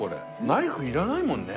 ナイフいらないもんね。